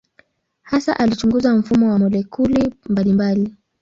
Hasa alichunguza mfumo wa molekuli mbalimbali.